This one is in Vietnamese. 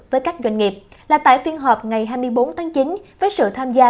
với các doanh nghiệp là tại phiên họp ngày hai mươi bốn tháng chín với sự tham gia